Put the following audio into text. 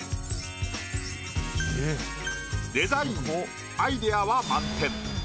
デザインアイデアは満点。